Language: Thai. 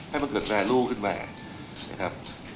ให้มันเกิดแฟนลูกขึ้นมานะครับ